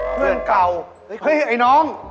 เพื่อนเก่าเฮ้ยไอ้น้อง